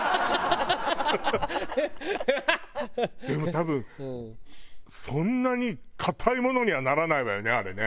でも多分そんなに硬いものにはならないわよねあれね。